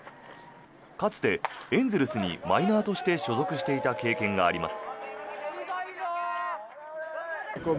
かつて、エンゼルスにマイナーとして所属していた経験があります。